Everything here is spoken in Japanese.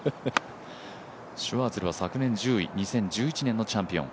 シュワーツェルは昨年１０位、２０１１年のチャンピオン。